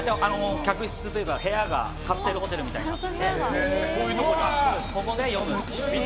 客室というか部屋がカプセルホテルみたいになってて。